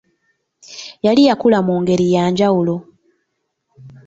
Yali yakula mu ngeri ya njawulo.